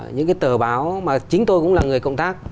những cái tờ báo mà chính tôi cũng là người công tác